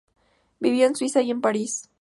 Vivió en Suiza y en París.